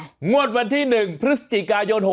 แล้ววันที่๑พฤศจิกายน๖๕